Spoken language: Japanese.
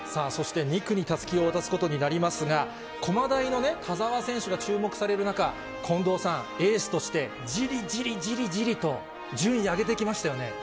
そして、２区にたすきを渡すことになりますが、駒大の田澤選手が注目される中、近藤さん、エースとして、じりじりじりじりと、順位上げていきましたよね。